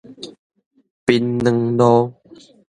檳榔路